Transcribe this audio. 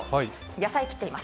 野菜、切っています。